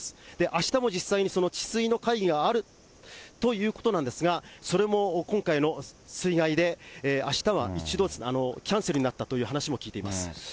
あしたも実際にその治水の会議があるということなんですが、それも今回の水害であしたは一度キャンセルになったという話も聞いています。